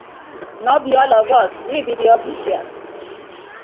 No bi all of us, we bi di officials.